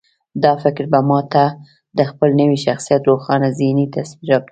دا فکر به ما ته د خپل نوي شخصيت روښانه ذهني تصوير راکړي.